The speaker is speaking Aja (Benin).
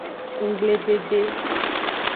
Nggbledede.